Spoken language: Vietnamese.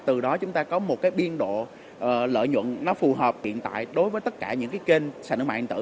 từ đó chúng ta có một cái biên độ lợi nhuận nó phù hợp hiện tại đối với tất cả những cái kênh sản ứng mạng tử